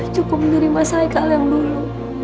cukup menerima saya kalian dulu